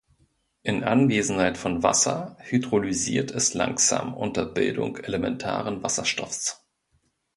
In Anwesenheit von Wasser hydrolysiert es langsam unter Bildung elementaren Wasserstoffs.